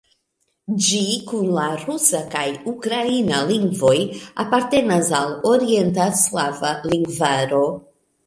Ĝi kun la rusa kaj ukraina lingvoj apartenas al Orienta slava lingvaro.